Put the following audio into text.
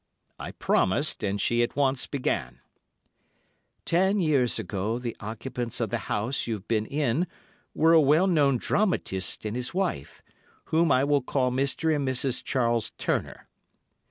I promised, and she at once began. "'Ten years ago the occupants of the house you've been in were a well known dramatist and his wife, whom I will call Mr. and Mrs. Charles Turner.